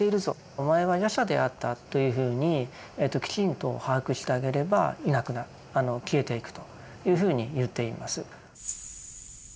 「お前は夜叉であった」というふうにきちんと把握してあげればいなくなる消えていくというふうにいっています。